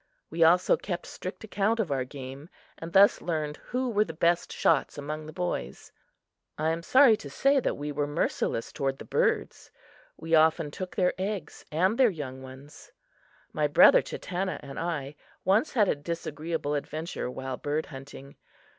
We also kept strict account of our game, and thus learned who were the best shots among the boys. I am sorry to say that we were merciless toward the birds. We often took their eggs and their young ones. My brother Chatanna and I once had a disagreeable adventure while bird hunting.